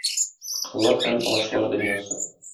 Коллар һәм ачлар дөньясы...